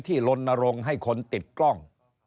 ที่ลนลงให้คนติดกล้อง